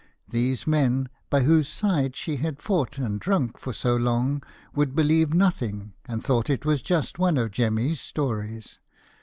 These men, by whose side she had fought and drunk for so long, would believe nothing, and thought it was just 'one of Jemmy's stories.'